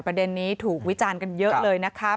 ประเด็นนี้ถูกวิจารณ์กันเยอะเลยนะคะ